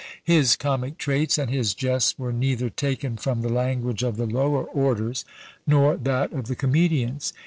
His comic traits and his jests were neither taken from the language of the lower orders, nor that of the comedians.